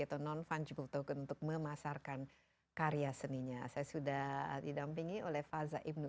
dan non fungible token untuk memasarkan karya seninya saya sudah didampingi oleh faza ibnu